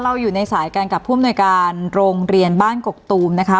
อยู่ในสายกันกับผู้อำนวยการโรงเรียนบ้านกกตูมนะคะ